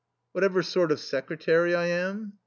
"Whatever sort of secretary I am?"